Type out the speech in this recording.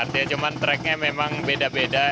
tapi tracknya memang beda beda